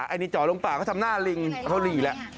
อันนี้จ่อลงป่าเขาทำหน้าลิงเขาลีแล้ว